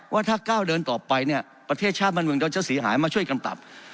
ว่าถ้าก้าวเดินต่อไปเนี่ยประเทศชาติบ้านเมืองเราจะเสียหายมาช่วยกันปรับ